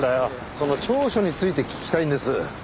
その調書について聞きたいんです。